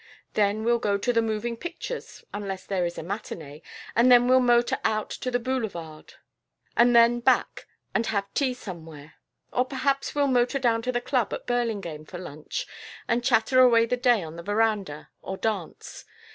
"Then we'll go to the Moving Pictures unless there is a matinée, and then we'll motor out to the Boulevard, and then back and have tea somewhere. "Or, perhaps, we'll motor down to the Club at Burlingame for lunch and chatter away the day on the veranda, or dance.